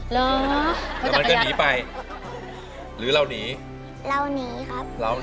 เหรอแล้วมันก็หนีไปหรือเราหนีเราหนีครับ